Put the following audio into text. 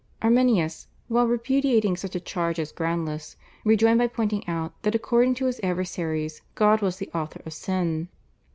Arminius, while repudiating such a charge as groundless, rejoined by pointing out that according to his adversaries God was the author of sin.